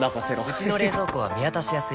うちの冷蔵庫は見渡しやすい